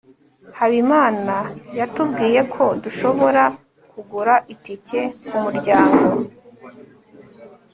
habimana yatubwiye ko dushobora kugura itike ku muryango